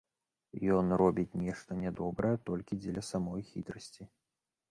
Ён робіць нешта нядобрае толькі дзеля самой хітрасці.